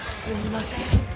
すみません。